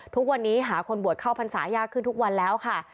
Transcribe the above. ทุกวันนี้หาคนบวชเข้าพรรษายากขึ้นทุกวันแล้วค่ะ